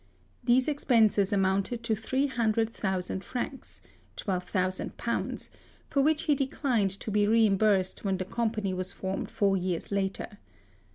These expenses amounted to three hundred thou sand francs (£12,000), for which he de clined to be reimbursed when the Com pany was formed four years later.